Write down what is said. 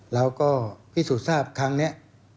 เราก็พิสูจน์ทราบครั้งนี้